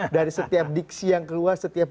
dari setiap diksi yang keluar setiap